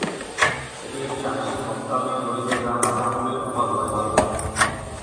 এটি একটি আংশিক কঙ্কাল নিয়ে গঠিত যা মাথার খুলির অভাব রয়েছে।